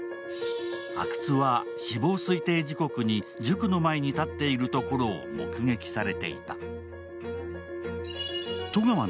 阿久津は死亡推定時刻に塾の前に立っているところを目撃されていた。